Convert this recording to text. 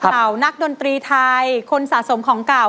ข่าวนักดนตรีไทยคนสะสมของเก่า